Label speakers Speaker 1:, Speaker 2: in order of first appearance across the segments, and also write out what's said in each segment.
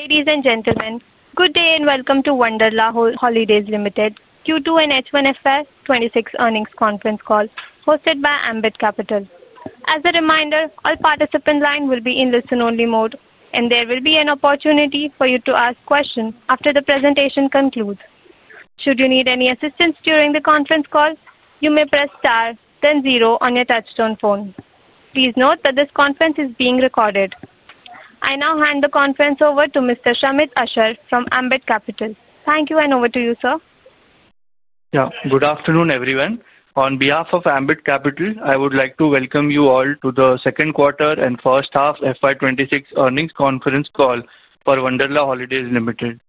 Speaker 1: Ladies and gentlemen, good day and welcome to Wonderla Holidays Ltd, Q2 and H1 FY 2026 earnings conference call, hosted by Ambit Capital. As a reminder, all participants' lines will be in listen-only mode, and there will be an opportunity for you to ask questions after the presentation concludes. Should you need any assistance during the conference call, you may press star, then zero on your touchstone phone. Please note that this conference is being recorded. I now hand the conference over to Mr. Shamit Ashar from Ambit Capital. Thank you, and over to you, sir.
Speaker 2: Yeah, good afternoon, everyone. On behalf of Ambit Capital, I would like to welcome you all to the second quarter and first half FY 2026 earnings conference call for Wonderla Holidays Ltd.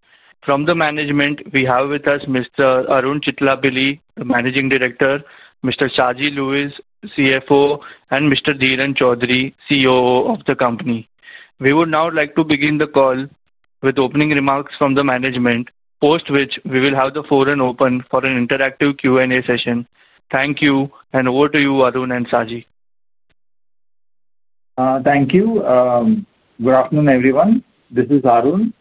Speaker 2: From the management, we have with us Mr. Arun Chittilappilly, the Managing Director, Mr. Saji Louiz, CFO, and Mr. Dheeran Choudhary, COO of the company. We would now like to begin the call with opening remarks from the management, post which we will have the forum open for an interactive Q&A session. Thank you, and over to you, Arun and Saji.
Speaker 3: Thank you. Good afternoon, everyone. This is Arun.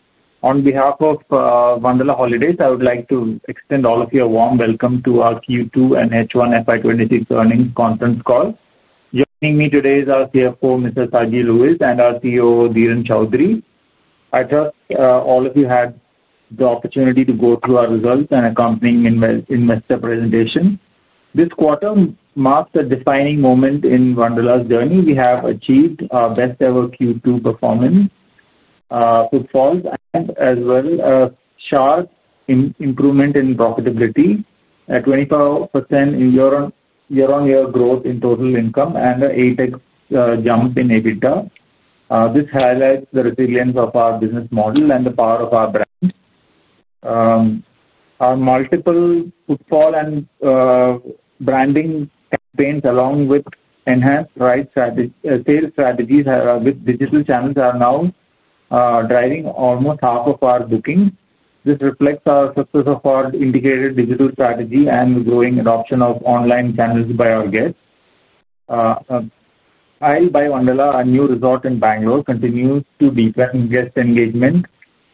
Speaker 3: On behalf of Wonderla Holidays, I would like to extend all of you a warm welcome to our Q2 and H1 FY 2026 earnings conference call. Joining me today is our CFO, Mr. Saji Louiz, and our COO, Dheeran Choudhary. I trust all of you had the opportunity to go through our results and accompanying investor presentation. This quarter marks a defining moment in Wonderla's journey. We have achieved our best-ever Q2 performance, as well as a sharp improvement in profitability, a 24% year-on-year growth in total income, and an 8x jump in EBITDA. This highlights the resilience of our business model and the power of our brand. Our multiple footfall and branding campaigns, along with enhanced ride sales strategies with digital channels, are now driving almost half of our bookings. This reflects our success of our indicated digital strategy and the growing adoption of online channels by our guests. Isle by Wonderla, our new resort in Bangalore, continues to deepen guest engagement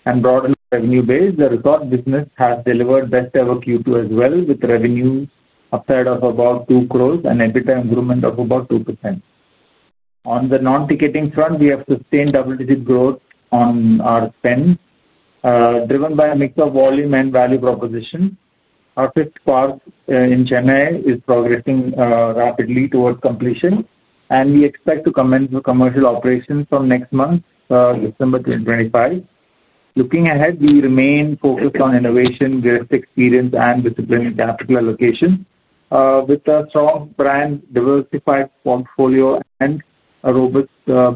Speaker 3: and broaden the revenue base. The resort business has delivered best-ever Q2 as well, with revenues outside of about 2 crore and EBITDA improvement of about 2%. On the non-ticketing front, we have sustained double-digit growth on our spend, driven by a mix of volume and value proposition. Our fifth park in Chennai is progressing rapidly towards completion, and we expect to commence the commercial operations from next month, December 2025. Looking ahead, we remain focused on innovation, growth experience, and disciplined capital allocation. With a strong brand, diversified portfolio, and a robust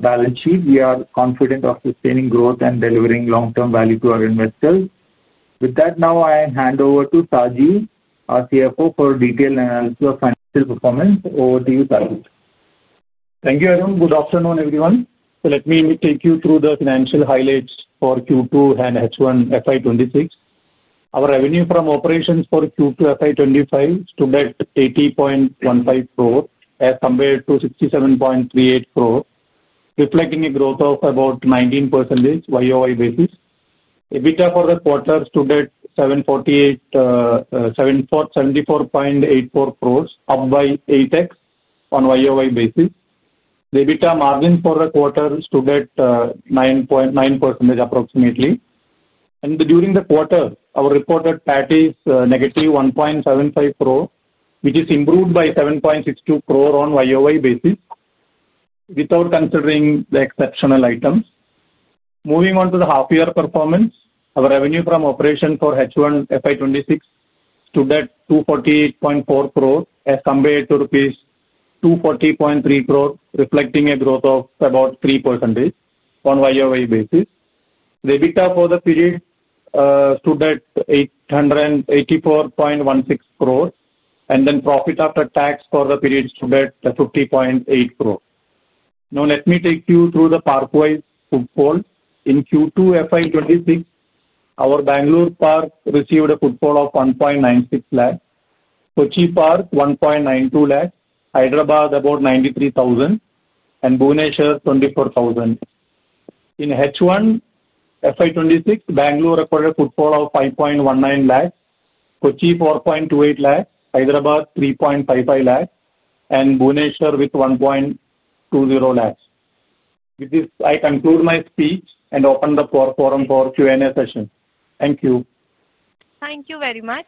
Speaker 3: balance sheet, we are confident of sustaining growth and delivering long-term value to our investors. With that, now I hand over to Saji, our CFO, for detailed analysis of financial performance. Over to you, Saji.
Speaker 4: Thank you, Arun. Good afternoon, everyone. Let me take you through the financial highlights for Q2 and H1 FY 2026. Our revenue from operations for Q2 FY 2025 stood at 80.15 crore, as compared to 67.38 crore, reflecting a growth of about 19% YoY basis. EBITDA for the quarter stood at 74.84 crore, up by 8x on YoY basis. The EBITDA margin for the quarter stood at 9% approximately. During the quarter, our reported PAT is -1.75 crore, which is improved by 7.62 crore on YoY basis, without considering the exceptional items. Moving on to the half-year performance, our revenue from operations for H1 FY 2026 stood at 248.4 crore, as compared to rupees 240.3 crore, reflecting a growth of about 3% on YoY basis. The EBITDA for the period stood at 84.16 crore, and profit after tax for the period stood at 50.8 crore. Now let me take you through the park-wise footfall. In Q2 FY 2026, our Bangalore Park received a footfall of 1.96 lakh, Kochi Park 1.92 lakh, Hyderabad about 0.93 lakh, and Bhubaneswar 0.24 lakh. In H1 FY 2026, Bangalore recorded a footfall of 5.19 lakh, Kochi 4.28 lakh, Hyderabad 3.55 lakh, and Bhubaneswar with 1.20 lakh. With this, I conclude my speech and open the forum for Q&A session. Thank you.
Speaker 1: Thank you very much.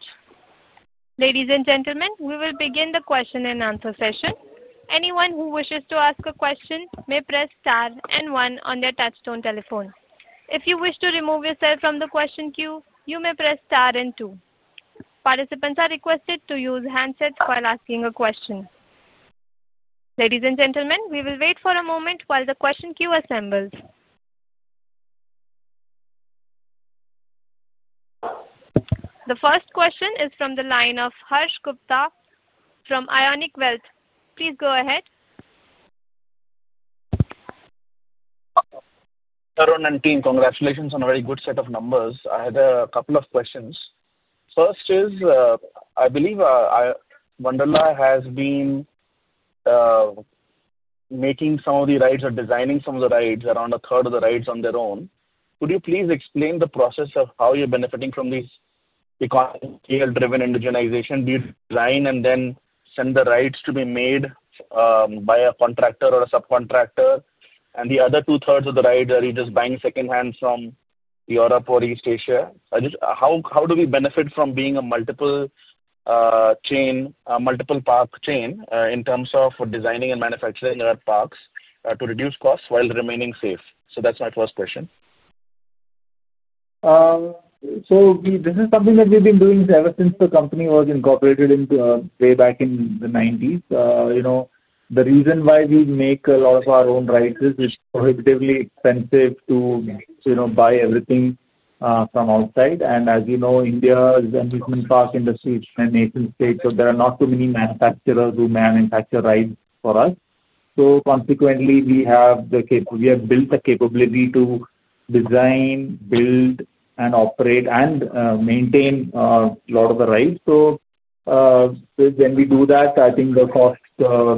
Speaker 1: Ladies and gentlemen, we will begin the question and answer session. Anyone who wishes to ask a question may press star and one on their touchstone telephone. If you wish to remove yourself from the question queue, you may press star and two. Participants are requested to use handsets while asking a question. Ladies and gentlemen, we will wait for a moment while the question queue assembles. The first question is from the line of Harsh Gupta from Ionic Wealth. Please go ahead.
Speaker 5: Arun and team, congratulations on a very good set of numbers. I had a couple of questions. First is, I believe Wonderla has been making some of the rides or designing some of the rides, around a third of the rides, on their own. Could you please explain the process of how you're benefiting from this economy-driven indigenization? Do you design and then send the rides to be made by a contractor or a subcontractor? The other two-thirds of the rides, are you just buying secondhand from Europe or East Asia? How do we benefit from being a multiple park chain in terms of designing and manufacturing our parks to reduce costs while remaining safe? That's my first question.
Speaker 3: This is something that we've been doing ever since the company was incorporated way back in the 1990s. The reason why we make a lot of our own rides is it's prohibitively expensive to buy everything from outside. As you know, India is an amusement park industry and nation state, so there are not too many manufacturers who manufacture rides for us. Consequently, we have built the capability to design, build, operate, and maintain a lot of the rides. When we do that, I think the cost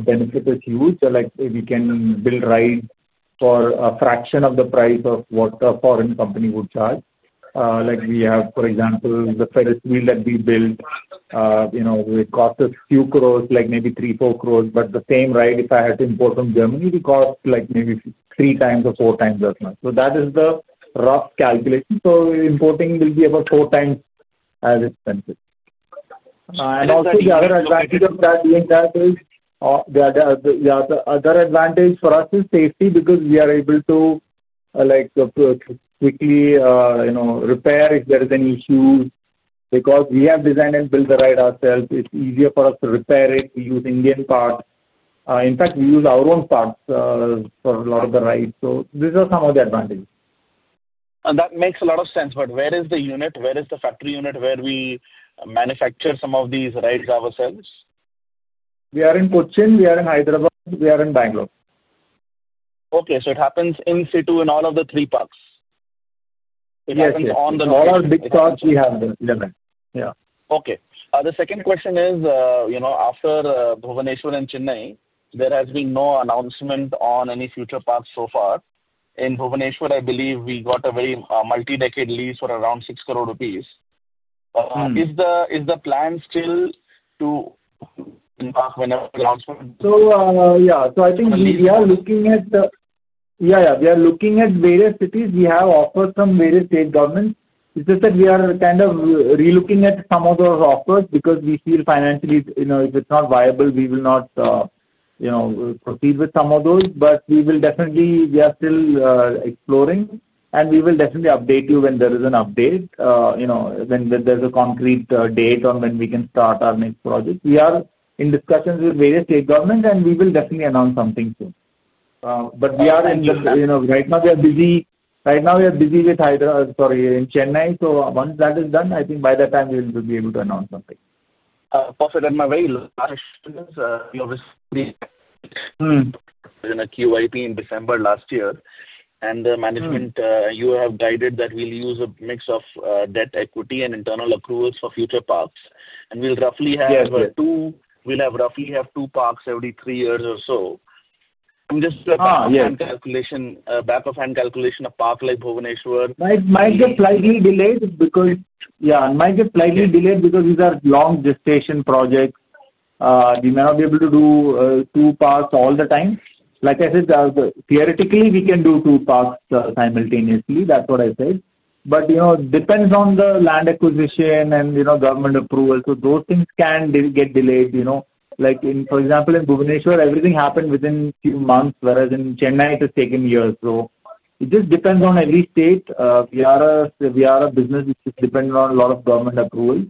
Speaker 3: benefit is huge. We can build rides for a fraction of the price of what a foreign company would charge. We have, for example, the Ferris wheel that we built. It costs a few crore, like maybe 3 crore-4 crore. The same ride, if I had to import from Germany, would cost maybe 3x or 4x as much. That is the rough calculation. Importing will be about four times as expensive. The other advantage for us is safety because we are able to quickly repair if there is any issue. Because we have designed and built the ride ourselves, it is easier for us to repair it. We use Indian parts. In fact, we use our own parts for a lot of the rides. These are some of the advantages.
Speaker 5: That makes a lot of sense. Where is the unit? Where is the factory unit where we manufacture some of these rides ourselves?
Speaker 3: We are in Kochi. We are in Hyderabad. We are in Bangalore.
Speaker 5: Okay. So it happens in situ in all of the three parks.
Speaker 3: Yes. It happens on the. All our big parks, we have them.
Speaker 5: Yeah. Okay. The second question is, after Bhubaneswar and Chennai, there has been no announcement on any future parks so far. In Bhubaneswar, I believe we got a very multi-decade lease for around 600 crore rupees. Is the plan still to.
Speaker 3: Yeah, I think we are looking at various cities. We have offers from various state governments. It's just that we are kind of relooking at some of those offers because we feel financially, if it's not viable, we will not proceed with some of those. We are still exploring, and we will definitely update you when there is an update, when there's a concrete date on when we can start our next project. We are in discussions with various state governments, and we will definitely announce something soon. Right now, we are busy with, sorry, in Chennai. Once that is done, I think by that time, we will be able to announce something.
Speaker 5: Also, these are my very last questions. We obviously. In a QYP in December last year. The management, you have guided that we'll use a mix of debt, equity, and internal accruals for future parks. We'll roughly have two parks every three years or so. I'm just. Oh, yeah. Back of hand calculation, a park like Bhubaneswar.
Speaker 3: Might get slightly delayed because, yeah, it might get slightly delayed because these are long-distance projects. We may not be able to do two parks all the time. Like I said, theoretically, we can do two parks simultaneously. That is what I said. It depends on the land acquisition and government approval. Those things can get delayed. For example, in Bhubaneswar, everything happened within a few months, whereas in Chennai, it has taken years. It just depends on every state. We are a business which is dependent on a lot of government approval.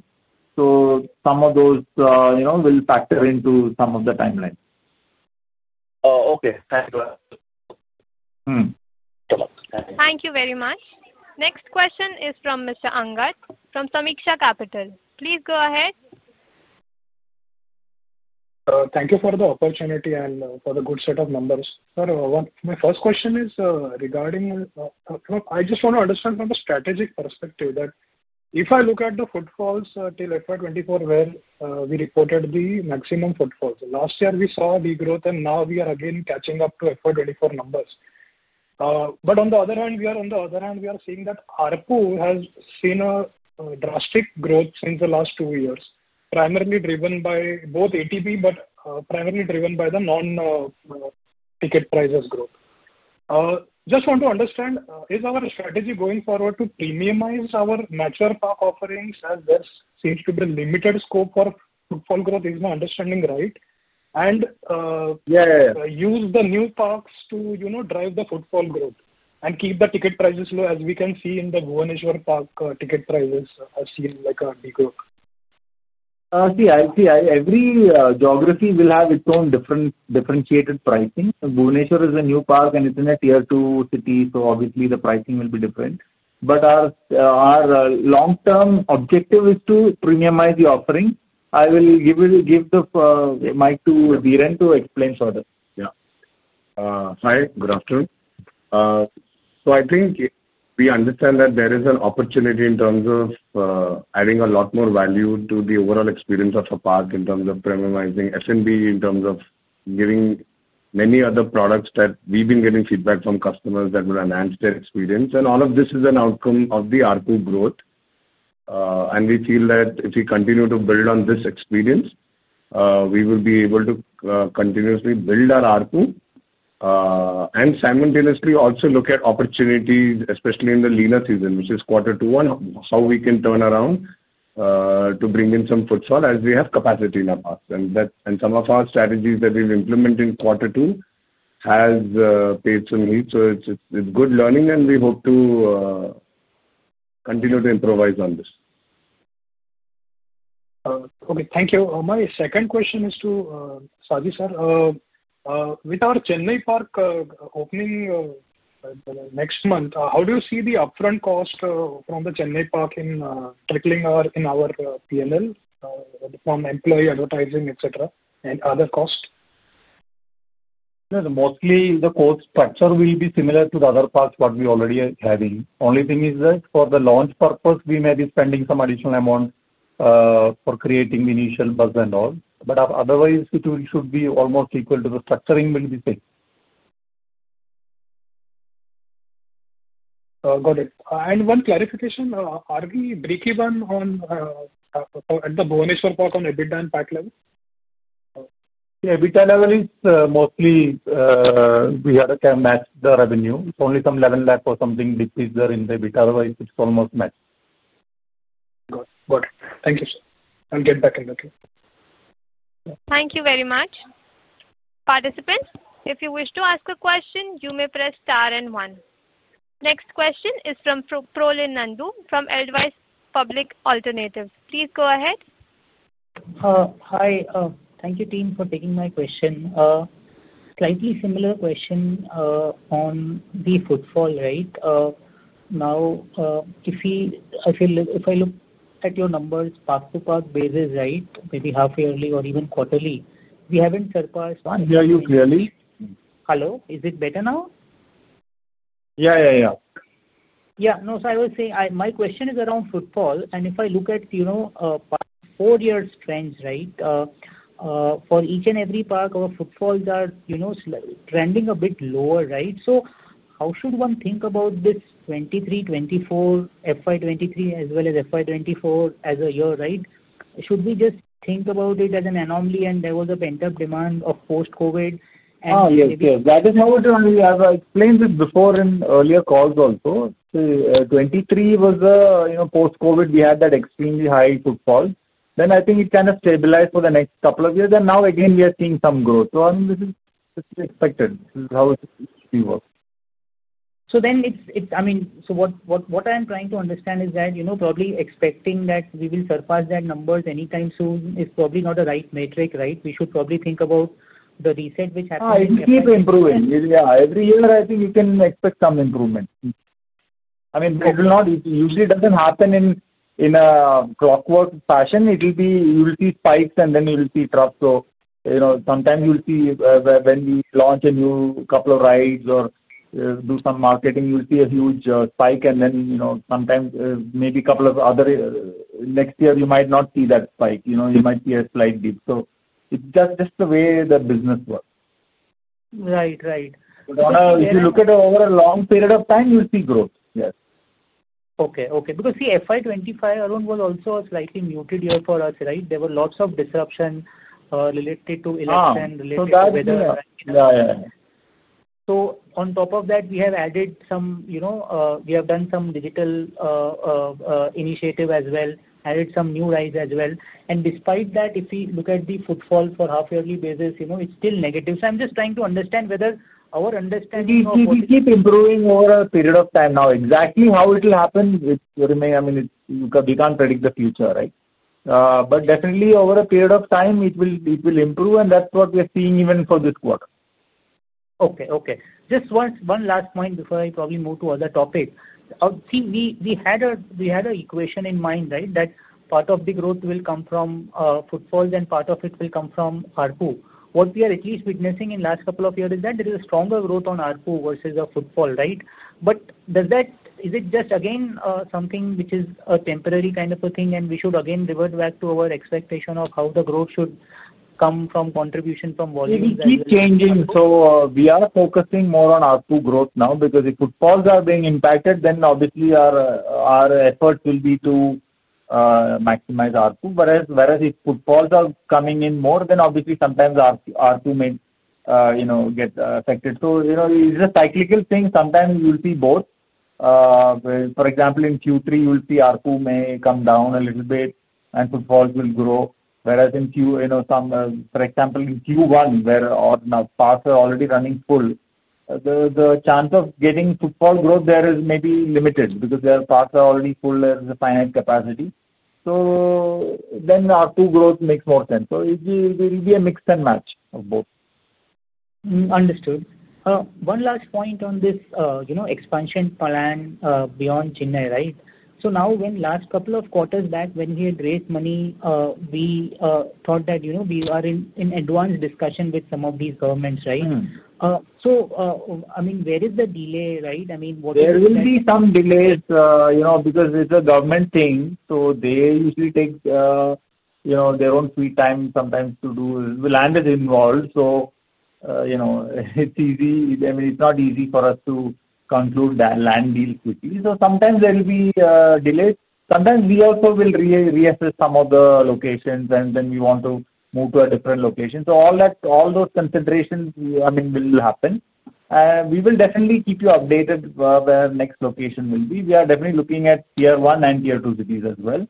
Speaker 3: Some of those will factor into some of the timelines.
Speaker 5: Oh, okay. Thank you.
Speaker 1: Thank you very much. Next question is from Mr. Angad from Sameeksha Capital. Please go ahead.
Speaker 6: Thank you for the opportunity and for the good set of numbers. Sir, my first question is regarding, I just want to understand from a strategic perspective that if I look at the footfalls till FY 2024, where we reported the maximum footfalls, last year, we saw the growth, and now we are again catching up to FY 2024 numbers. On the other hand, we are seeing that ARPU has seen a drastic growth since the last two years, primarily driven by both ATP, but primarily driven by the non-ticket prices growth. Just want to understand, is our strategy going forward to premiumize our mature park offerings as there seems to be a limited scope for footfall growth? Is my understanding right? And.
Speaker 3: Yeah, yeah.
Speaker 6: Use the new parks to drive the footfall growth and keep the ticket prices low, as we can see in the Bhubaneswar park ticket prices have seen a degrowth.
Speaker 3: See, I see. Every geography will have its own differentiated pricing. Bhubaneswar is a new park, and it is in a tier two city, so obviously, the pricing will be different. Our long-term objective is to premiumize the offering. I will give the mic to Dheeran to explain further.
Speaker 7: Yeah. Hi, good afternoon. I think we understand that there is an opportunity in terms of adding a lot more value to the overall experience of a park in terms of premiumizing S&B, in terms of giving many other products that we have been getting feedback from customers that will enhance their experience. All of this is an outcome of the ARPU growth. We feel that if we continue to build on this experience, we will be able to continuously build our ARPU and simultaneously also look at opportunities, especially in the leaner season, which is quarter two, on how we can turn around to bring in some footfall as we have capacity in our parks. Some of our strategies that we have implemented in quarter two have paid some heed. It is good learning, and we hope to continue to improvise on this.
Speaker 6: Okay. Thank you. My second question is to Saji sir. With our Chennai Park opening next month, how do you see the upfront cost from the Chennai Park in trickling in our P&L from employee, advertising, etc., and other costs?
Speaker 4: Mostly, the cost structure will be similar to the other parks we already are having. The only thing is that for the launch purpose, we may be spending some additional amount for creating the initial buzz and all. Otherwise, it should be almost equal to the structuring will be the same.
Speaker 6: Got it. One clarification. Are we breakeven at the Bhubaneswar Park on EBITDA and PAT level?
Speaker 4: The EBITDA level is mostly we have to match the revenue. It's only some [11 lakh] or something decreased there in the EBITDA. Otherwise, it's almost match.
Speaker 6: Got it. Got it. Thank you, sir. I'll get back in a little bit.
Speaker 1: Thank you very much. Participants, if you wish to ask a question, you may press star and one. Next question is from Prolin Nandu from Edelweiss Public Alternatives. Please go ahead.
Speaker 8: Hi. Thank you, team, for taking my question. Slightly similar question on the footfall, right? Now, if I look at your numbers park-to-park basis, right, maybe half-yearly or even quarterly, we haven't surpassed.
Speaker 3: I hear you clearly.
Speaker 8: Hello? Is it better now?
Speaker 3: Yeah, yeah.
Speaker 8: Yeah. No, so I was saying my question is around footfall. If I look at four-year strength, right, for each and every park, our footfalls are trending a bit lower, right? How should one think about this 2023, 2024, FY 2023, as well as FY 2024 as a year, right? Should we just think about it as an anomaly and there was a pent-up demand of post-COVID?
Speaker 3: Oh, yes, yes. That is how it is. I explained this before in earlier calls also. 2023 was post-COVID. We had that extremely high footfall. I think it kind of stabilized for the next couple of years. Now, again, we are seeing some growth. I mean, this is expected. This is how it should work.
Speaker 8: So what I'm trying to understand is that probably expecting that we will surpass that numbers anytime soon is probably not a right metric, right? We should probably think about the reset which happens.
Speaker 3: Oh, it keeps improving. Yeah. Every year, I think you can expect some improvement. I mean, it usually does not happen in a clockwork fashion. You will see spikes, and then you will see drops. Sometimes you will see when we launch a new couple of rides or do some marketing, you will see a huge spike. Sometimes, maybe a couple of other next year, you might not see that spike. You might see a slight dip. It is just the way the business works.
Speaker 8: Right, right.
Speaker 3: If you look at it over a long period of time, you'll see growth. Yes.
Speaker 8: Okay, okay. Because see, FY 2025 alone was also a slightly muted year for us, right? There were lots of disruptions related to election, related to weather.
Speaker 3: Yeah, yeah.
Speaker 8: On top of that, we have added some, we have done some digital initiative as well, added some new rides as well. Despite that, if we look at the footfall for half-yearly basis, it's still negative. I'm just trying to understand whether our understanding of.
Speaker 3: It keeps improving over a period of time now. Exactly how it will happen, I mean, we can't predict the future, right? Definitely, over a period of time, it will improve. That is what we're seeing even for this quarter.
Speaker 8: Okay, okay. Just one last point before I probably move to other topics. See, we had an equation in mind, right, that part of the growth will come from footfalls, and part of it will come from ARPU. What we are at least witnessing in the last couple of years is that there is a stronger growth on ARPU versus the footfall, right? Is it just, again, something which is a temporary kind of a thing, and we should again revert back to our expectation of how the growth should come from contribution from volume?
Speaker 3: It keeps changing. We are focusing more on ARPU growth now because if footfalls are being impacted, then obviously, our effort will be to maximize ARPU. Whereas if footfalls are coming in more, then obviously, sometimes ARPU may get affected. It is a cyclical thing. Sometimes you will see both. For example, in Q3, you will see ARPU may come down a little bit, and footfalls will grow. For example, in Q1, where parks are already running full, the chance of getting footfall growth there is maybe limited because parks are already full. There is a finite capacity. ARPU growth makes more sense then. It will be a mix and match of both.
Speaker 8: Understood. One last point on this expansion plan beyond Chennai, right? Now, when last couple of quarters back, when we had raised money, we thought that we are in advanced discussion with some of these governments, right? I mean, where is the delay, right? I mean, what is the delay?
Speaker 3: There will be some delays because it's a government thing. They usually take their own free time sometimes to do land is involved. It's not easy for us to conclude land deals quickly. Sometimes there will be delays. Sometimes we also will reassess some of the locations, and then we want to move to a different location. All those considerations, I mean, will happen. We will definitely keep you updated where the next location will be. We are definitely looking at tier one and tier two cities as well.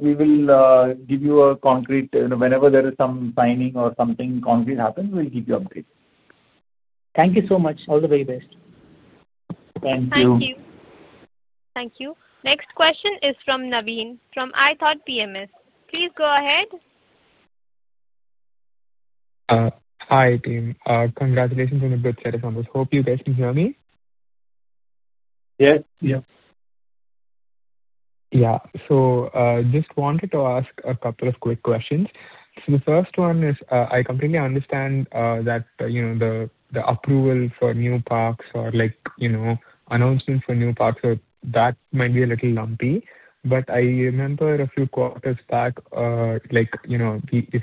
Speaker 3: We will give you a concrete whenever there is some signing or something concrete happens, we'll keep you updated.
Speaker 8: Thank you so much. All the very best.
Speaker 3: Thank you.
Speaker 1: Thank you. Thank you. Next question is from [Naveen] from ithoughtPMS. Please go ahead. Hi, team. Congratulations on the good set of numbers. Hope you guys can hear me.
Speaker 3: Yes. Yeah. Yeah. Just wanted to ask a couple of quick questions. The first one is I completely understand that the approval for new parks or announcements for new parks, that might be a little lumpy. I remember a few quarters back, you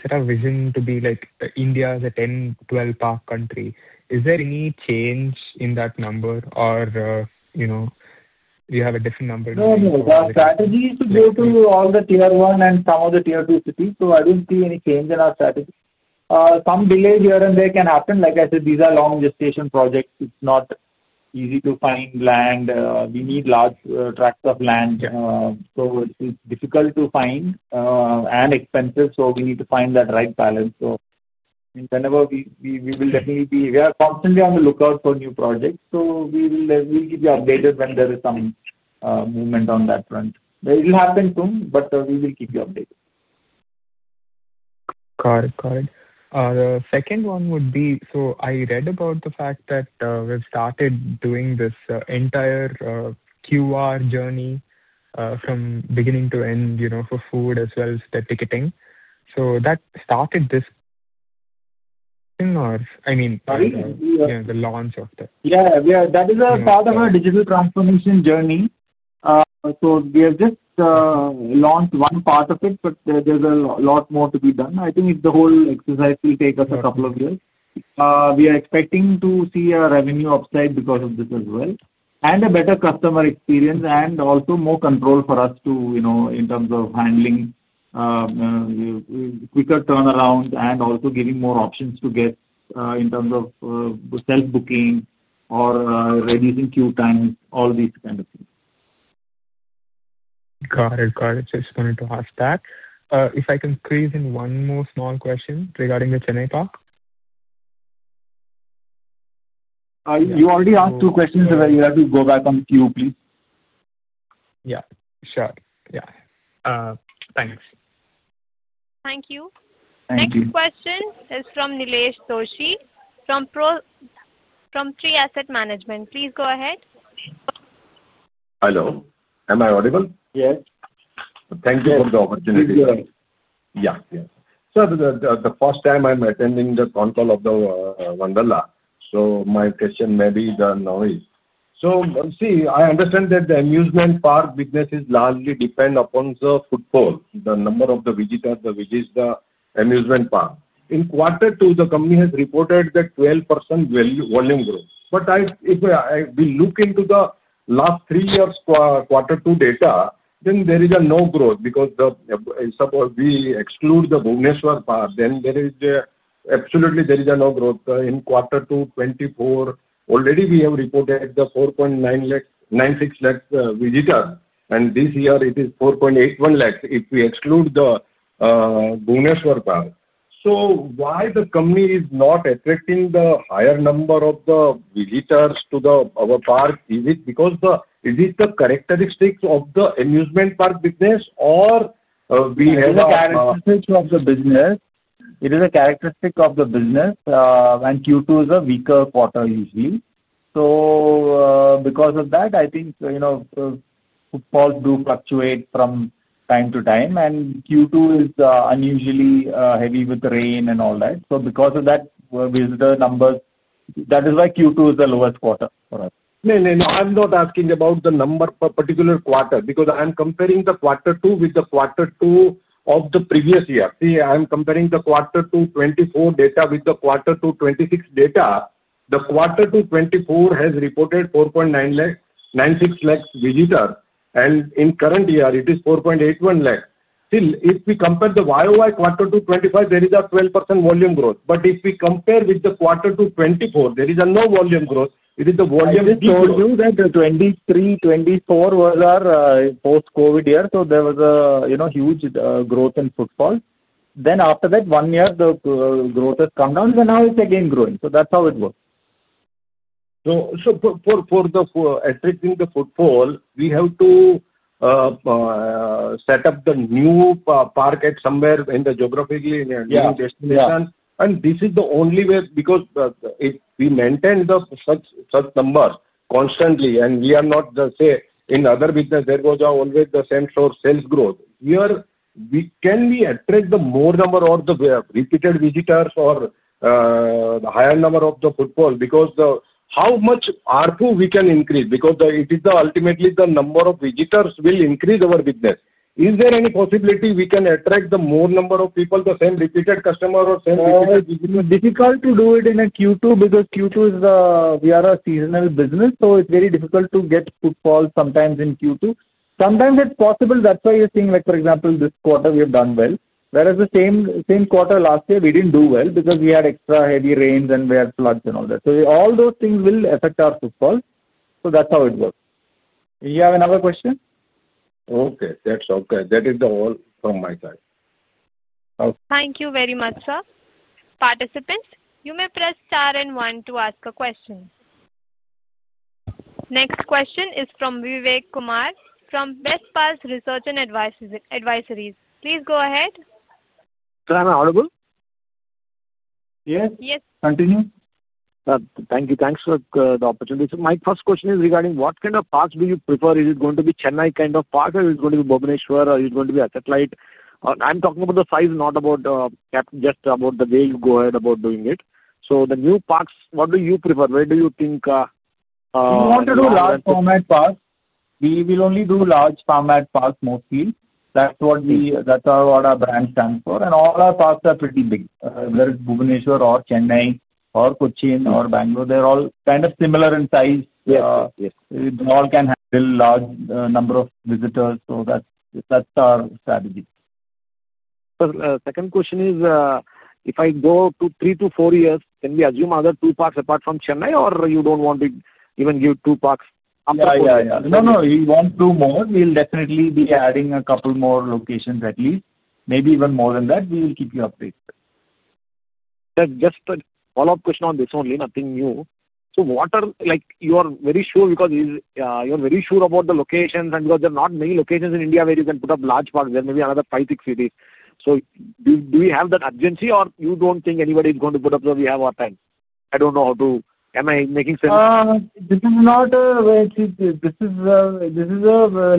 Speaker 3: set a vision to be like India is a 10-12 park country. Is there any change in that number, or do you have a different number? No, no. Our strategy is to go to all the tier one and some of the tier two cities. I do not see any change in our strategy. Some delays here and there can happen. Like I said, these are long-gestation projects. It is not easy to find land. We need large tracts of land. It is difficult to find and expensive. We need to find that right balance. Whenever we will definitely be, we are constantly on the lookout for new projects. We will keep you updated when there is some movement on that front. It will happen soon, but we will keep you updated. Got it, got it. The second one would be, so I read about the fact that we've started doing this entire QR journey from beginning to end for food as well as the ticketing. Has that started, this thing, or I mean, yeah, the launch of that. Yeah. That is part of our digital transformation journey. We have just launched one part of it, but there is a lot more to be done. I think the whole exercise will take us a couple of years. We are expecting to see a revenue upside because of this as well, and a better customer experience, and also more control for us in terms of handling, quicker turnaround, and also giving more options to guests in terms of self-booking or reducing queue times, all these kind of things. Got it, got it. Just wanted to ask that. If I can squeeze in one more small question regarding the Chennai Park? You already asked two questions. You have to go back on the queue, please. Yeah, sure. Yeah, thanks.
Speaker 1: Thank you. Next question is from Nilesh Doshi from Tree Asset Management. Please go ahead.
Speaker 9: Hello. Am I audible?
Speaker 3: Yes.
Speaker 9: Thank you for the opportunity. Yeah, yeah. The first time, I'm attending the con call of Wonderla. My question may be the noise. I understand that the amusement park business is largely dependent upon the footfall, the number of visitors, which is the amusement park. In quarter two, the company has reported that 12% volume growth. If we look into the last three years' quarter two data, then there is no growth because if we exclude the Bhubaneswar Park, then absolutely there is no growth. In quarter two, 2024, already we have reported the 4.96 lakh visitors, and this year, it is 4.81 lakh if we exclude the Bhubaneswar Park. Why is the company not attracting a higher number of visitors to our park? Is it because of the characteristics of the amusement park business, or we have a?
Speaker 3: It is a characteristic of the business. It is a characteristic of the business. Q2 is a weaker quarter, usually. Because of that, I think footfalls do fluctuate from time to time. Q2 is unusually heavy with rain and all that. Because of that, visitor numbers, that is why Q2 is the lowest quarter for us.
Speaker 9: No, no, no. I'm not asking about the number per particular quarter because I'm comparing the quarter two with the quarter two of the previous year. See, I'm comparing the quarter two 2024 data with the quarter two 2026 data. The quarter two 2024 has reported 4.96 lakh visitors. And in current year, it is 4.81 lakh. Still, if we compare the YoY quarter two 2025, there is a 12% volume growth. But if we compare with the quarter two 2024, there is no volume growth. It is a volume slow.
Speaker 3: You know that 2023, 2024 were post-COVID years. So there was a huge growth in footfall. Then after that, one year, the growth has come down. So now it's again growing. So that's how it works.
Speaker 9: For attracting the footfall, we have to set up the new park at somewhere in the geographically new destination. This is the only way because if we maintain such numbers constantly, and we are not the same in other business, there was always the same sales growth. Here, we can attract the more number or the repeated visitors or the higher number of the footfall because how much ARPU we can increase because ultimately, the number of visitors will increase our business. Is there any possibility we can attract the more number of people, the same repeated customers or same repeated visitors?
Speaker 3: It's difficult to do it in a Q2 because Q2 is, we are a seasonal business. So it's very difficult to get footfall sometimes in Q2. Sometimes it's possible. That's why you're seeing, for example, this quarter, we have done well. Whereas the same quarter last year, we didn't do well because we had extra heavy rains and we had floods and all that. So all those things will affect our footfall. That's how it works. You have another question?
Speaker 9: Okay. That is all from my side.
Speaker 1: Thank you very much, sir. Participants, you may press star and one to ask a question. Next question is from Vivek Kumar from Bestpals Research and Advisory. Please go ahead.
Speaker 10: Am I audible?
Speaker 3: Yes.
Speaker 1: Yes.
Speaker 3: Continue.
Speaker 10: Thank you. Thanks for the opportunity. My first question is regarding what kind of parks do you prefer? Is it going to be Chennai kind of park, or is it going to be Bhubaneswar, or is it going to be a satellite? I am talking about the size, not just about the way you go ahead about doing it. The new parks, what do you prefer? Where do you think?
Speaker 3: We want to do large format parks. We will only do large format parks mostly. That is what our brand stands for. All our parks are pretty big, whether it is Bhubaneswar or Chennai or Kochi or Bangalore. They are all kind of similar in size. They all can handle a large number of visitors. That is our strategy.
Speaker 10: Second question is, if I go to three to four years, can we assume other two parks apart from Chennai, or you don't want to even give two parks after four years?
Speaker 3: No, no. We want two more. We'll definitely be adding a couple more locations at least. Maybe even more than that. We will keep you updated.
Speaker 10: Just a follow-up question on this only, nothing new. You are very sure because you are very sure about the locations and because there are not many locations in India where you can put up large parks. There may be another five-six cities. Do we have that urgency, or you do not think anybody is going to put up so we have our time? I do not know how to am I making sense?
Speaker 3: This is not a way.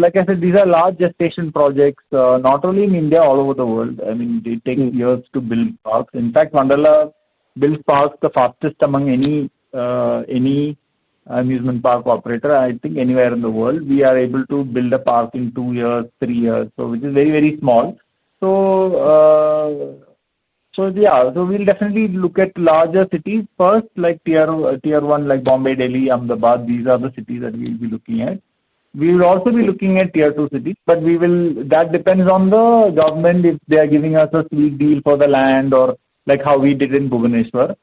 Speaker 3: Like I said, these are large gestation projects, not only in India, all over the world. I mean, it takes years to build parks. In fact, Wonderla builds parks the fastest among any amusement park operator. I think anywhere in the world, we are able to build a park in two years, three years, which is very, very small. Yeah. We will definitely look at larger cities first, like tier one, like Bombay, Delhi, Ahmedabad. These are the cities that we will be looking at. We will also be looking at tier two cities, but that depends on the government if they are giving us a sweet deal for the land or how we did in Bhubaneswar.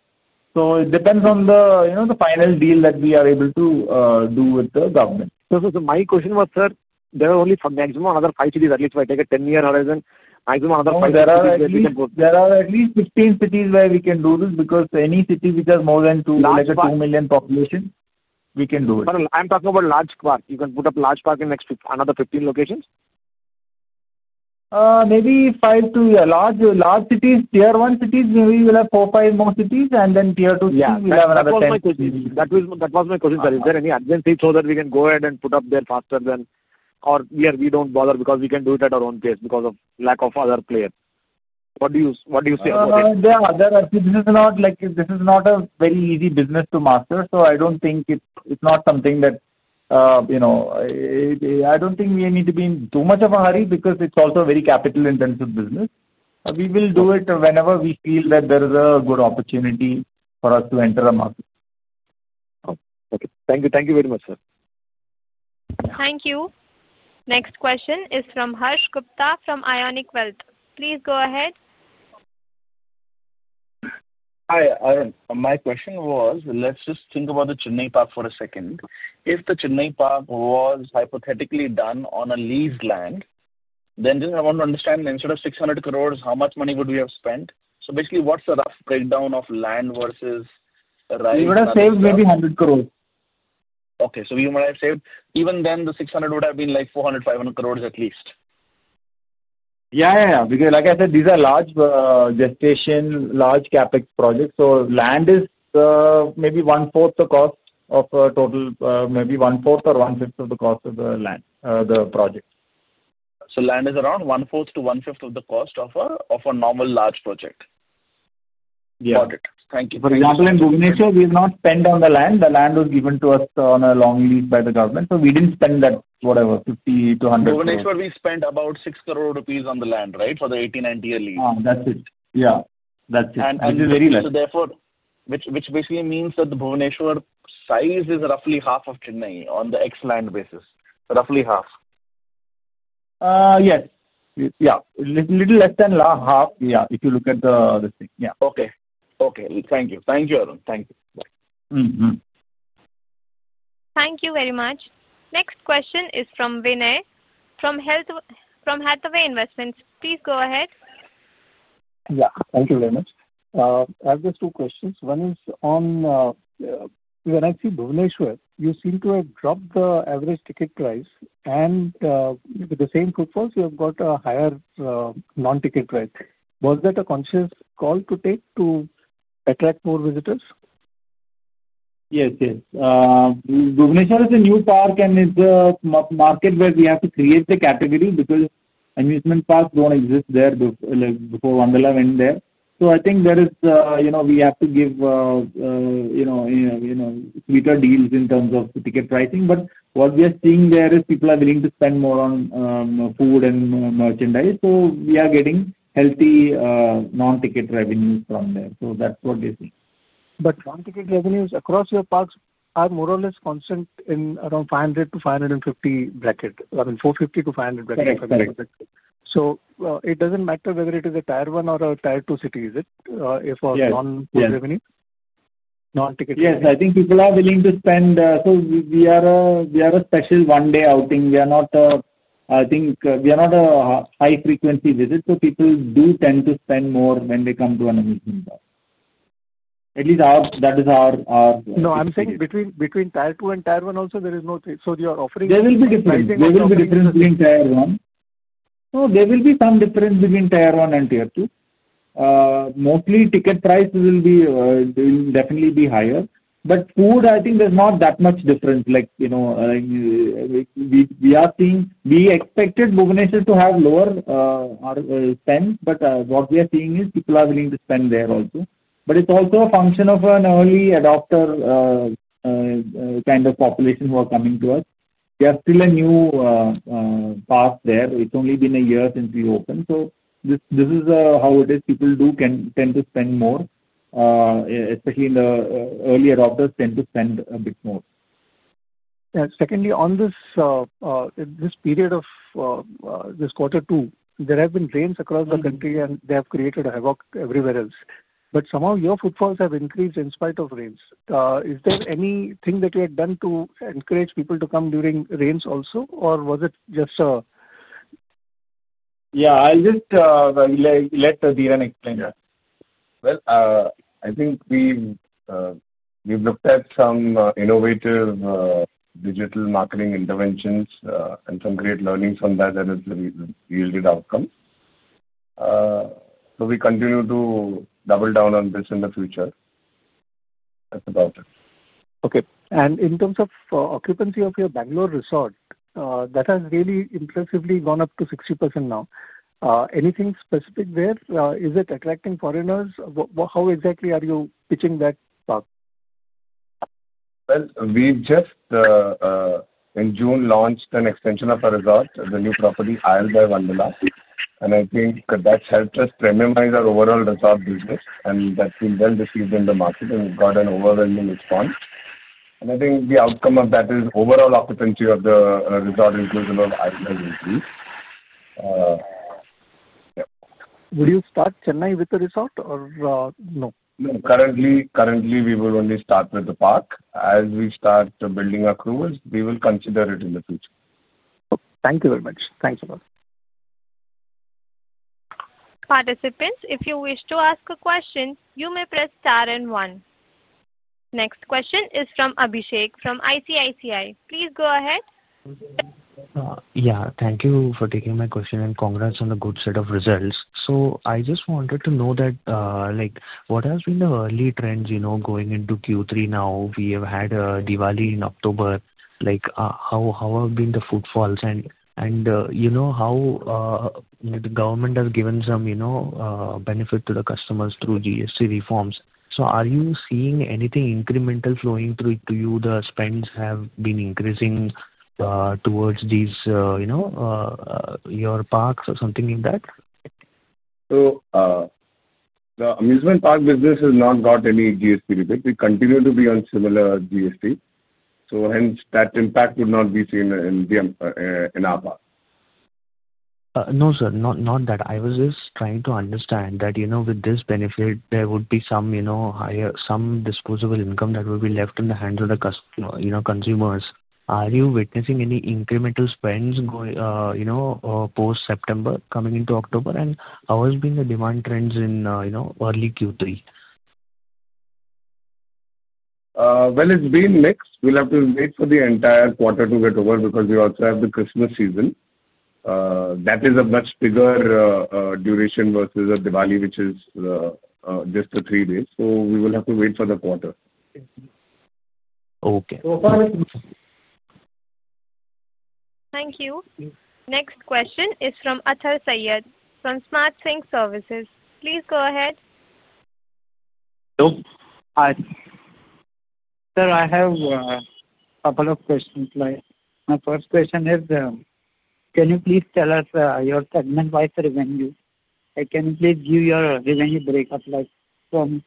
Speaker 3: It depends on the final deal that we are able to do with the government.
Speaker 10: My question was, sir, there are only maximum another five cities at least. If I take a 10-year horizon, maximum another five cities.
Speaker 3: There are at least 15 cities where we can do this because any city which has more than 2 lakh, less than 2 million population, we can do it.
Speaker 10: I'm talking about large park. You can put up large park in another 15 locations?
Speaker 3: Maybe five to large cities, tier one cities, maybe we will have four, five more cities, and then tier two cities, we'll have another 10.
Speaker 10: Yeah. That was my question. Is there any urgency so that we can go ahead and put up there faster than or we do not bother because we can do it at our own pace because of lack of other players? What do you say about it?
Speaker 3: This is not a very easy business to master. I don't think we need to be in too much of a hurry because it's also a very capital-intensive business. We will do it whenever we feel that there is a good opportunity for us to enter the market.
Speaker 10: Okay. Thank you. Thank you very much, sir.
Speaker 1: Thank you. Next question is from Harsh Gupta from Ionic Wealth. Please go ahead.
Speaker 5: Hi, Arun. My question was, let's just think about the Chennai Park for a second. If the Chennai Park was hypothetically done on a leased land, then I want to understand instead of 600 crore, how much money would we have spent? So basically, what's the rough breakdown of land versus rides?
Speaker 3: We would have saved maybe 100 crore.
Speaker 5: Okay. So you and I saved even then, the 600 crore would have been like 400 crore-500 crore at least?
Speaker 3: Yeah, yeah. Because like I said, these are large gestation, large CapEx projects. So land is maybe 1/4 the cost of a total, maybe 1/4 or 1/5 of the cost of the land, the project. Land is around 1/4-1/5 of the cost of a normal large project. Yeah.
Speaker 5: Got it. Thank you.
Speaker 3: For example, in Bhubaneswar, we have not spent on the land. The land was given to us on a long lease by the government. So we did not spend that whatever, 50 crore-100 crore.
Speaker 5: In Bhubaneswar, we spent about 60 crore rupees on the land, right, for the 18 and tier lease?
Speaker 3: That's it. Yeah, that's it. It is very less.
Speaker 5: Therefore, which basically means that the Bhubaneswar size is roughly half of Chennai on the X land basis, roughly half.
Speaker 3: Yes. Yeah. A little less than half, yeah, if you look at the thing. Yeah.
Speaker 5: Okay. Okay. Thank you. Thank you, Arun. Thank you. Bye.
Speaker 1: Thank you very much. Next question is from Vinay from Hathway Investment, please go ahead.
Speaker 11: Yeah. Thank you very much. I have just two questions. One is on when I see Bhubaneswar, you seem to have dropped the average ticket price. And with the same footfalls, you have got a higher non-ticket price. Was that a conscious call to take to attract more visitors?
Speaker 3: Yes, yes. Bhubaneswar is a new park and it's a market where we have to create the category because amusement parks did not exist there before Wonderla went there. I think there we have to give sweeter deals in terms of ticket pricing. What we are seeing there is people are willing to spend more on food and merchandise. We are getting healthy non-ticket revenue from there. That is what they see.
Speaker 11: Non-ticket revenues across your parks are more or less constant in around 500-550 bracket, I mean, 450-500 bracket. So it doesn't matter whether it is a tier one or a tier two city visit for non-ticket revenue?
Speaker 3: Yes. Non-ticket revenue. Yes. I think people are willing to spend. We are a special one-day outing. We are not a high-frequency visit. People do tend to spend more when they come to an amusement park. At least that is our question.
Speaker 11: No, I'm saying between tier two and tier one, also, there is no change. So you are offering.
Speaker 3: There will be difference. There will be difference between tier one. No, there will be some difference between tier one and tier two. Mostly, ticket prices will definitely be higher. Food, I think there is not that much difference. We are seeing we expected Bhubaneswar to have lower spend, but what we are seeing is people are willing to spend there also. It is also a function of an early adopter kind of population who are coming to us. We have still a new park there. It has only been a year since we opened. This is how it is. People do tend to spend more, especially the early adopters tend to spend a bit more.
Speaker 11: Secondly, on this period of this quarter two, there have been rains across the country, and they have created a havoc everywhere else. Somehow, your footfalls have increased in spite of rains. Is there anything that you had done to encourage people to come during rains also, or was it just a?
Speaker 3: Yeah. I'll just let Dheeran explain that.
Speaker 7: I think we've looked at some innovative digital marketing interventions and some great learnings from that that has yielded outcomes. We continue to double down on this in the future. That's about it.
Speaker 11: Okay. In terms of occupancy of your Bangalore Resort, that has really impressively gone up to 60% now. Anything specific there? Is it attracting foreigners? How exactly are you pitching that park?
Speaker 7: In June, we launched an extension of our resort, the new property, Isle by Wonderla. I think that's helped us premiumize our overall resort business, and that's been well received in the market, and we've got an overwhelming response. I think the outcome of that is overall occupancy of the resort inclusion of Isle by Wonderla.
Speaker 11: Would you start Chennai with the resort, or no?
Speaker 7: No. Currently, we will only start with the park. As we start building our crews, we will consider it in the future.
Speaker 11: Thank you very much. Thanks a lot.
Speaker 1: Participants, if you wish to ask a question, you may press star and one. Next question is from [Abhishek] from ICICI. Please go ahead. Yeah. Thank you for taking my question, and congrats on a good set of results. I just wanted to know what has been the early trends going into Q3 now? We have had Diwali in October. How have been the footfalls? You know how the government has given some benefit to the customers through GST reforms. Are you seeing anything incremental flowing through to you? The spends have been increasing towards your parks or something like that?
Speaker 7: The amusement park business has not got any GST rebate. We continue to be on similar GST. Hence, that impact would not be seen in our park. No, sir. Not that. I was just trying to understand that with this benefit, there would be some disposable income that would be left in the hands of the consumers. Are you witnessing any incremental spends post-September coming into October, and how has been the demand trends in early Q3? It has been mixed. We will have to wait for the entire quarter to get over because we also have the Christmas season. That is a much bigger duration versus Diwali, which is just three days. We will have to wait for the quarter. Okay.
Speaker 1: Thank you. Next question is from [Athar Saiyad] from Smart Sync Services. Please go ahead.
Speaker 7: Hello. Hi. Sir, I have a couple of questions. My first question is, can you please tell us your segment-wise revenue? Can you please give your revenue breakup from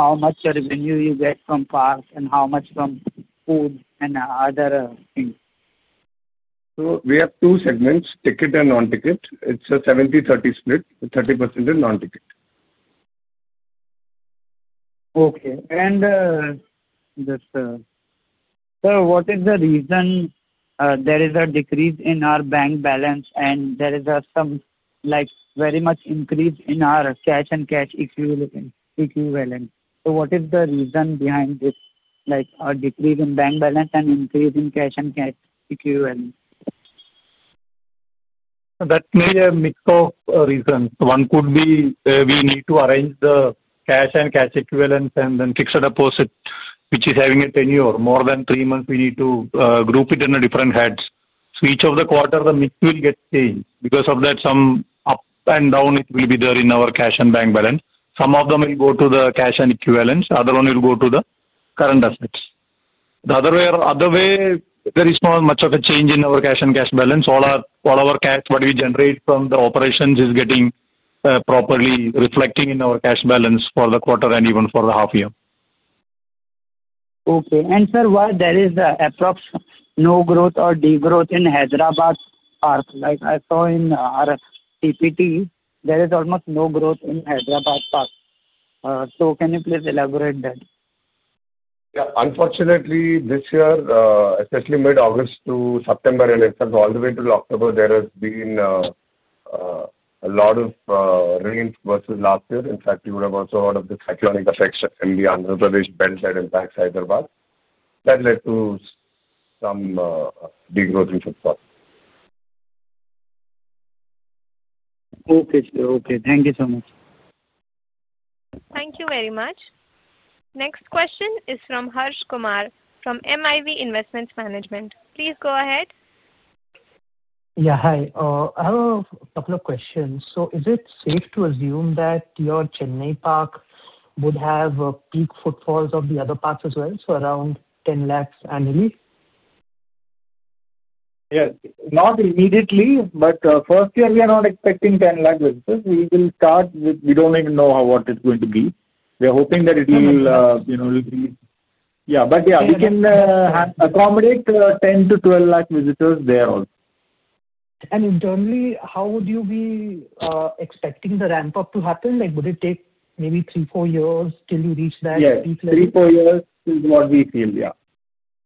Speaker 7: how much revenue you get from parks and how much from food and other things? We have two segments, ticket and non-ticket. It's a 70/30 split, 30% is non-ticket. Okay. Just, sir, what is the reason there is a decrease in our bank balance, and there is some very much increase in our cash and cash equivalent? What is the reason behind this decrease in bank balance and increase in cash and cash equivalent? That may be a mix of reasons. One could be we need to arrange the cash and cash equivalents and then fix it up, which is having a tenure more than three months, we need to group it in different heads. Each of the quarters, the mix will get changed. Because of that, some up and down, it will be there in our cash and bank balance. Some of them will go to the cash and equivalents. Other ones will go to the current assets. The other way, there is not much of a change in our cash and cash balance. All our cash, what we generate from the operations, is getting properly reflected in our cash balance for the quarter and even for the half year. Okay. Sir, why is there approximately no growth or degrowth in Hyderabad Park? I saw in our TPT, there is almost no growth in Hyderabad Park. Can you please elaborate on that? Yeah. Unfortunately, this year, especially mid-August to September and itself all the way till October, there has been a lot of rains versus last year. In fact, you would have also heard of the cyclonic effects in the Andhra Pradesh Belt that impacts Hyderabad. That led to some degrowth in footfall. Okay, sir. Okay. Thank you so much.
Speaker 1: Thank you very much. Next question is from Harsh Kumar from MIV Investments Management. Please go ahead. Yeah. Hi. I have a couple of questions. Is it safe to assume that your Chennai Park would have peak footfalls of the other parks as well, so around 10 lakh annually?
Speaker 3: Yes. Not immediately, but first year, we are not expecting 10 lakh visitors. We will start with we do not even know what it is going to be. We are hoping that it will increase. Yeah. Yeah, we can accommodate 10 lakh-12 lakh visitors there also. Internally, how would you be expecting the ramp-up to happen? Would it take maybe three, four years till you reach that peak level? Yes. Three, four years is what we feel. Yeah.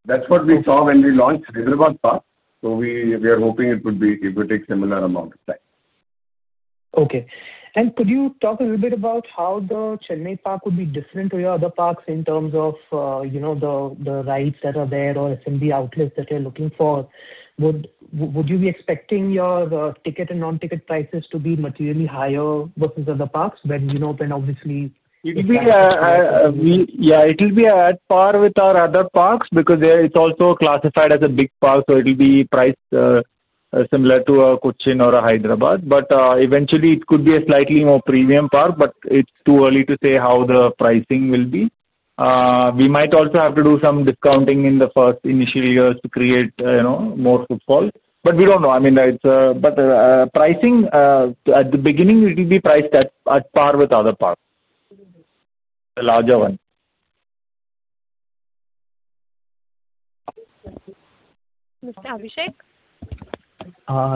Speaker 3: That's what we saw when we launched Hyderabad Park. We are hoping it would take a similar amount of time. Okay. Could you talk a little bit about how the Chennai Park would be different from your other parks in terms of the rides that are there or S&B outlets that you're looking for? Would you be expecting your ticket and non-ticket prices to be materially higher versus other parks when, obviously? Yeah. It will be at par with our other parks because it's also classified as a big park, so it will be priced similar to a Kochi or a Hyderabad. Eventually, it could be a slightly more premium park, but it's too early to say how the pricing will be. We might also have to do some discounting in the first initial years to create more footfall. We don't know. I mean, pricing, at the beginning, it will be priced at par with other parks, the larger ones.
Speaker 1: Mr. Abhishek?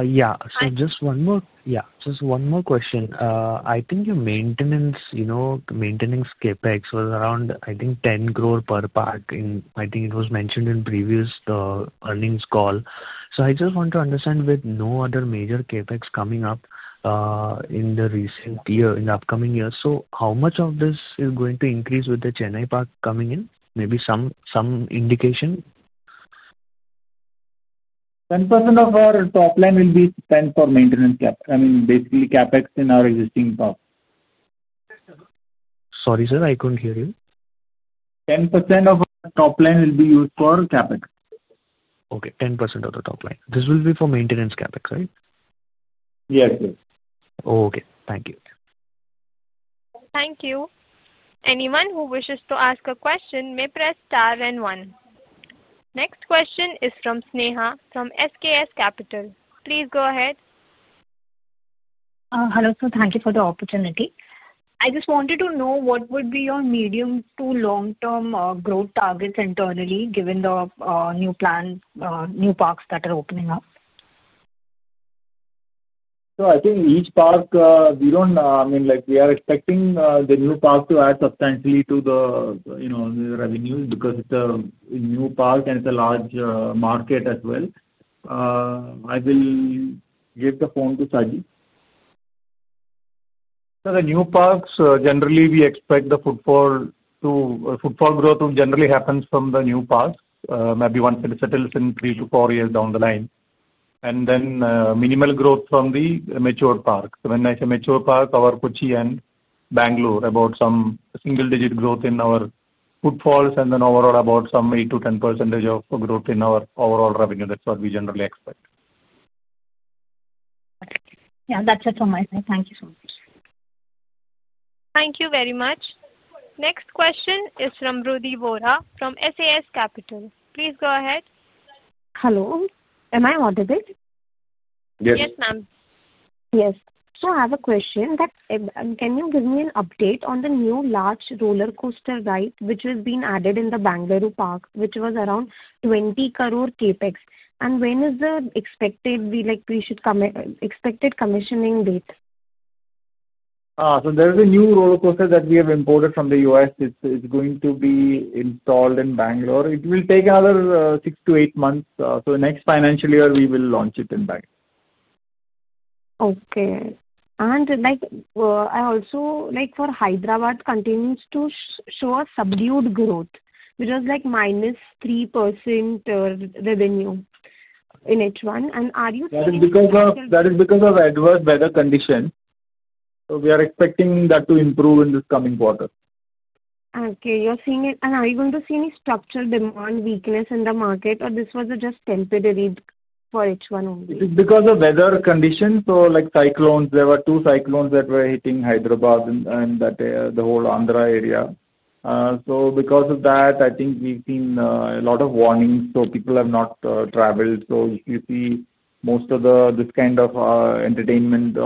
Speaker 1: Yeah. Just one more question. I think your maintenance CapEx was around 10 crore per park. I think it was mentioned in previous earnings call. I just want to understand, with no other major CapEx coming up in the upcoming year, how much of this is going to increase with the Chennai Park coming in? Maybe some indication?
Speaker 3: 10% of our top line will be spent for maintenance CapEx. I mean, basically, CapEx in our existing park. Sorry, sir. I couldn't hear you. 10% of our top line will be used for CapEx. Okay. 10% of the top line. This will be for maintenance CapEx, right? Yes. Yes. Okay. Thank you.
Speaker 1: Thank you. Anyone who wishes to ask a question may press star and one. Next question is from Sneha from SKS Capital. Please go ahead.
Speaker 12: Hello, sir. Thank you for the opportunity. I just wanted to know what would be your medium to long-term growth targets internally, given the new parks that are opening up?
Speaker 3: I think each park, we don't, I mean, we are expecting the new park to add substantially to the revenues because it's a new park and it's a large market as well. I will give the phone to Saji.
Speaker 4: The new parks, generally, we expect the footfall growth generally happens from the new parks, maybe once it settles in three to four years down the line, and then minimal growth from the mature parks. When I say mature park, our Kochi and Bangalore, about some single-digit growth in our footfalls, and then overall about some 8%-10% of growth in our overall revenue. That's what we generally expect.
Speaker 12: Yeah. That's it from my side. Thank you so much.
Speaker 1: Thank you very much. Next question is from Rudy Vora from SAS Capital. Please go ahead. Hello. Am I audited?
Speaker 3: Yes.
Speaker 1: Yes, ma'am. Yes. I have a question. Can you give me an update on the new large roller coaster ride which has been added in the Bangalore Park, which was around 20 crore CapEx? When is the expected, we should expect commissioning date?
Speaker 3: There is a new roller coaster that we have imported from the US. It's going to be installed in Bangalore. It will take another six to eight months. Next financial year, we will launch it in Bangalore. Okay. I also, like, for Hyderabad, it continues to show a subdued growth. It was like -3% revenue in H1. Are you seeing? That is because of adverse weather condition. We are expecting that to improve in this coming quarter. Okay. You're seeing it. Are you going to see any structural demand weakness in the market, or this was just temporary for H1 only? It is because of weather conditions. Like cyclones, there were two cyclones that were hitting Hyderabad and the whole Andhra area. Because of that, I think we've seen a lot of warnings. People have not traveled. If you see, most of this kind of entertainment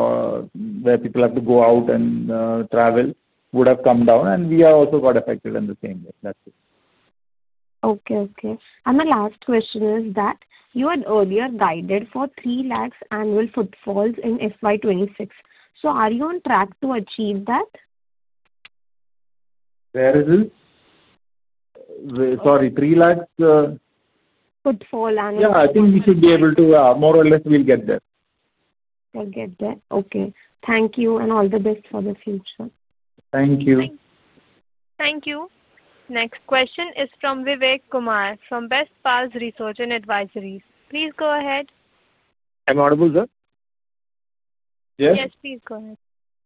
Speaker 3: where people have to go out and travel would have come down. We are also quite affected in the same way. That's it. Okay. Okay. My last question is that you had earlier guided for 3 lakh annual footfalls in FY2026. Are you on track to achieve that? Where is it? Sorry. 3 lakh? Footfall annually. Yeah. I think we should be able to more or less, we'll get there. We'll get there. Okay. Thank you. All the best for the future. Thank you.
Speaker 1: Thank you. Next question is from Vivek Kumar from Best Paths Research and Advisories. Please go ahead.
Speaker 10: I audible, sir?
Speaker 3: Yes.
Speaker 1: Yes, please go ahead.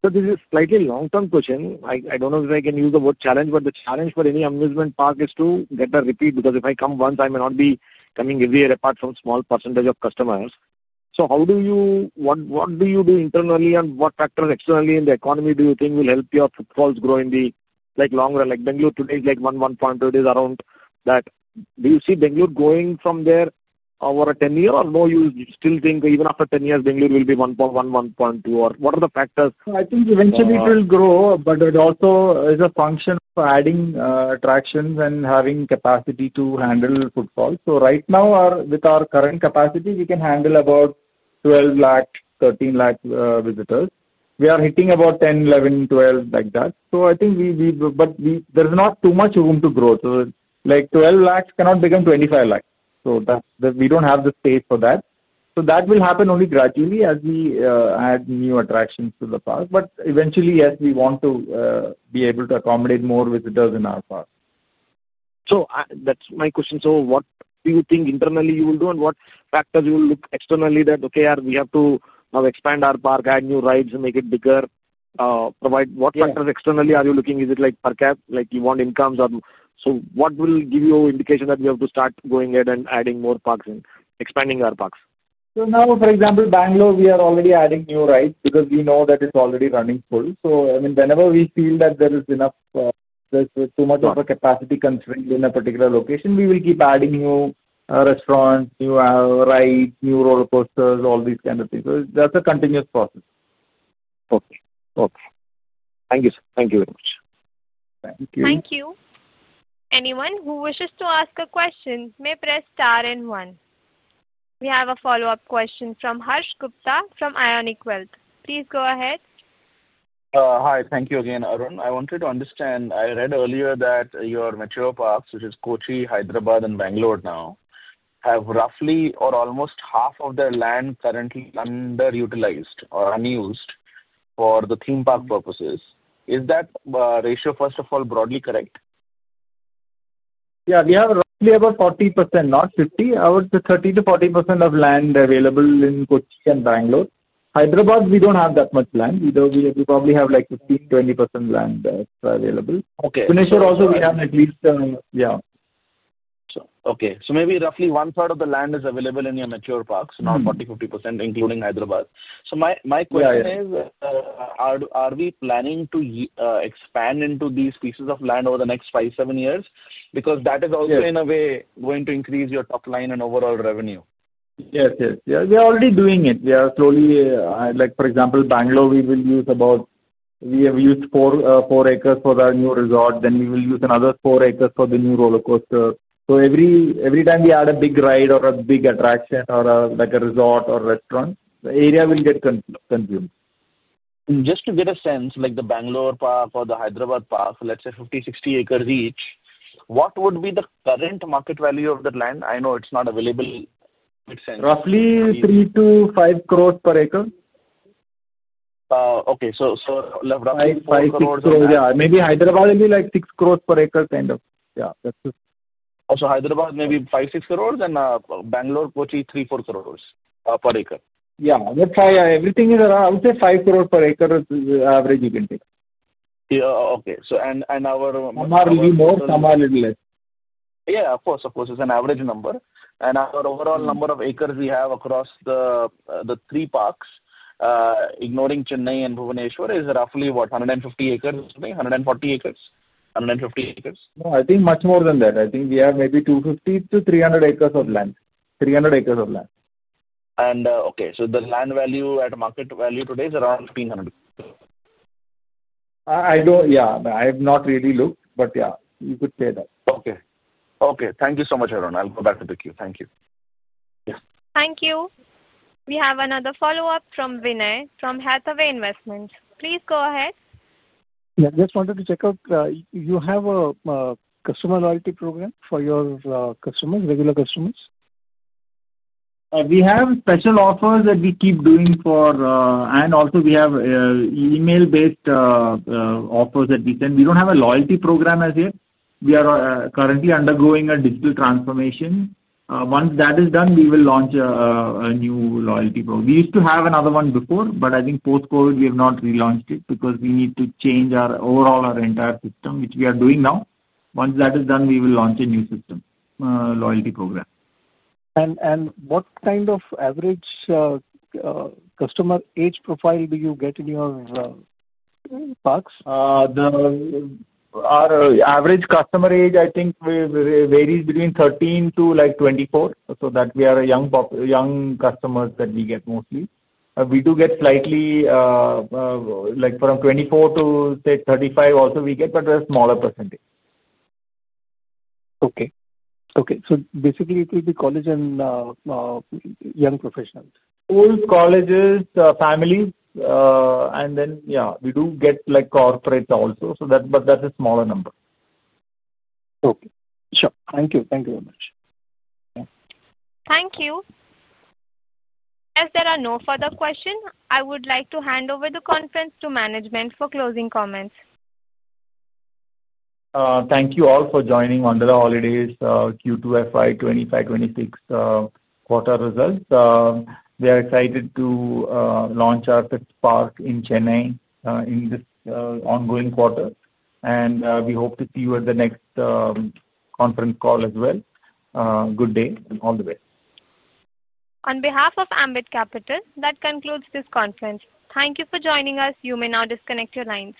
Speaker 10: This is slightly long-term question. I do not know if I can use the word challenge, but the challenge for any amusement park is to get a repeat because if I come once, I may not be coming every year apart from a small percentage of customers. How do you, what do you do internally and what factors externally in the economy do you think will help your footfalls grow in the long run? Like Bangalore today is like 1.2, it is around that. Do you see Bangalore going from there over a 10-year or no, you still think even after 10 years, Bangalore will be 1.1-1.2, or what are the factors?
Speaker 3: I think eventually it will grow, but it also is a function of adding attractions and having capacity to handle footfalls. Right now, with our current capacity, we can handle about 12 lakh-13 lakh visitors. We are hitting about 10, 11, 12 lakh like that. I think we, but there is not too much room to grow, so 12 lakh cannot become 25 lakh. We do not have the space for that. That will happen only gradually as we add new attractions to the park. Eventually, yes, we want to be able to accommodate more visitors in our park.
Speaker 10: That's my question. What do you think internally you will do and what factors you will look externally that, okay, we have to now expand our park, add new rides, make it bigger? What factors externally are you looking? Is it like per cap? You want incomes or so what will give you an indication that we have to start going ahead and adding more parks and expanding our parks?
Speaker 3: Now, for example, Bangalore, we are already adding new rides because we know that it's already running full. I mean, whenever we feel that there is enough, there's too much of a capacity constraint in a particular location, we will keep adding new restaurants, new rides, new roller coasters, all these kinds of things. That's a continuous process.
Speaker 10: Okay. Okay. Thank you, sir. Thank you very much.
Speaker 3: Thank you.
Speaker 1: Thank you. Anyone who wishes to ask a question may press star and one. We have a follow-up question from Harsh Gupta from Ionic Wealth. Please go ahead.
Speaker 5: Hi. Thank you again, Arun. I wanted to understand. I read earlier that your mature parks, which is Kochi, Hyderabad, and Bangalore now, have roughly or almost half of their land currently underutilized or unused for the theme park purposes. Is that ratio, first of all, broadly correct?
Speaker 3: Yeah. We have roughly about 40%, not 50%. I would say 30%-40% of land available in Kochi and Bangalore. Hyderabad, we do not have that much land. We probably have like 15%-20% land that is available.
Speaker 5: Okay.
Speaker 3: Pune, sure, also we have at least, yeah.
Speaker 5: Okay. So maybe roughly 1/3 of the land is available in your mature parks, not 40%-50%, including Hyderabad. My question is, are we planning to expand into these pieces of land over the next five to seven years? Because that is also, in a way, going to increase your top line and overall revenue.
Speaker 3: Yes. Yes. Yeah. We are already doing it. We are slowly, like, for example, Bangalore, we will use about, we have used four acres for our new resort. Then we will use another four acres for the new roller coaster. Every time we add a big ride or a big attraction or a resort or restaurant, the area will get consumed.
Speaker 5: Just to get a sense, like the Bangalore Park or the Hyderabad Park, let's say 50 acres-60 acres each, what would be the current market value of the land? I know it's not available.
Speaker 3: Roughly 3 crore-5 crore per acre.
Speaker 5: Okay. So roughly 5 crore.
Speaker 3: 5 crore. Yeah. Maybe Hyderabad will be like 6 crore per acre kind of. Yeah.
Speaker 5: Also Hyderabad maybe 5 crore-6 crore and Bangalore, Kochi, 3 crore-4 crore per acre.
Speaker 3: Yeah. That's why everything is around, I would say, 5 crore per acre is the average you can take.
Speaker 5: Okay. And our.
Speaker 3: Some are a little more, some are a little less.
Speaker 5: Yeah. Of course. Of course. It's an average number. Our overall number of acres we have across the three parks, ignoring Chennai and Bhubaneswar, is roughly what, 150 acres, 140 acres, 150 acres?
Speaker 3: No. I think much more than that. I think we have maybe 250 acres-300 acres of land. 300 acres of land.
Speaker 5: Okay. The land value at market value today is around [300 core].
Speaker 3: Yeah. I have not really looked, but yeah, you could say that.
Speaker 5: Okay. Okay. Thank you so much, Arun. I'll go back to pick you. Thank you.
Speaker 1: Thank you. We have another follow-up from Vinay from Hathway Investments. Please go ahead.
Speaker 11: Yeah. I just wanted to check out, you have a customer loyalty program for your customers, regular customers?
Speaker 3: We have special offers that we keep doing for and also, we have email-based offers that we send. We do not have a loyalty program as yet. We are currently undergoing a digital transformation. Once that is done, we will launch a new loyalty program. We used to have another one before, but I think post-COVID, we have not relaunched it because we need to change overall our entire system, which we are doing now. Once that is done, we will launch a new system loyalty program.
Speaker 11: What kind of average customer age profile do you get in your parks?
Speaker 3: The average customer age, I think, varies between 13 to 24. So that we are a young customer that we get mostly. We do get slightly like from 24 to, say, 35 also we get, but a smaller percentage.
Speaker 11: Okay. Okay. So basically, it will be college and young professionals.
Speaker 3: Old colleges, families, and then, yeah, we do get corporates also. That is a smaller number.
Speaker 11: Okay. Sure. Thank you. Thank you very much.
Speaker 1: Thank you. As there are no further questions, I would like to hand over the conference to management for closing comments.
Speaker 3: Thank you all for joining Wonderla Holidays, Q2 FY2025-FY2026 quarter results. We are excited to launch our fifth park in Chennai in this ongoing quarter. We hope to see you at the next conference call as well. Good day and all the best.
Speaker 1: On behalf of Ambit Capital, that concludes this conference. Thank you for joining us. You may now disconnect your lines.